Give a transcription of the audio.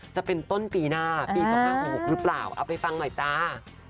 จะเป็นต้นปีหน้าปี๒๕๖๖หรือเปล่าเอาไปฟังหน่อยจ้า